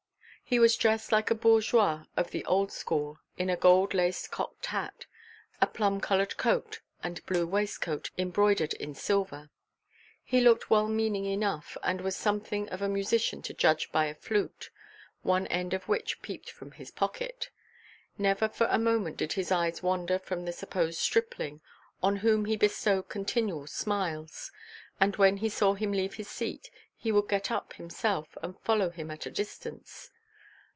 He was dressed like a bourgeois of the old school in a gold laced cocked hat, a plum coloured coat and blue waistcoat embroidered in silver. He looked well meaning enough, and was something of a musician to judge by a flute, one end of which peeped from his pocket. Never for a moment did his eyes wander from the supposed stripling, on whom he bestowed continual smiles, and when he saw him leave his seat, he would get up himself and follow him at a distance.